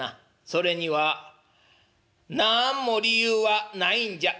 それにはなんも理由はないんじゃ」。